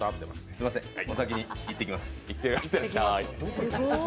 すいません、お先に行ってきます。